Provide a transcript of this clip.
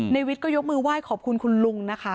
ในวิทย์ก็ยกมือไหว่ขอบคุณลุง